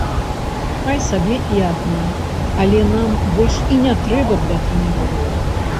Хай сабе і адна, але нам больш і не трэба для трэніровак.